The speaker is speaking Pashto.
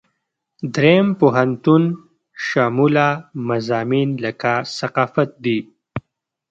دریم پوهنتون شموله مضامین لکه ثقافت دي.